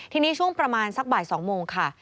ทีนี้ช่วงประมาณสักบ่าย๒โมงค่ะ